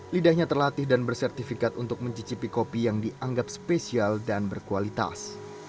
lidahnya terlatih dan bersertifikat untuk mencicipi kopi yang dianggap spesial dan berkualitas